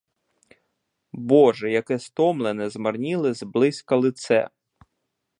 Боже, яке стомлене, змарніле зблизька лице!